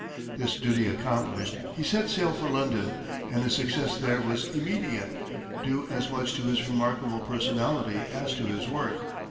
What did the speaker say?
This duty accomplished, he set sail for London, and his success there was immediate, due as much to his remarkable personality as to his work.